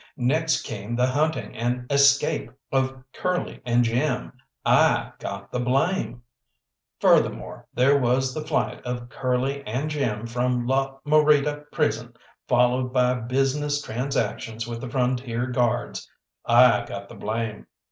Next came the hunting and escape of Curly and Jim; I got the blame. Furthermore, there was the flight of Curly and Jim from La Morita prison, followed by business transactions with the Frontier Guards; I got the blame.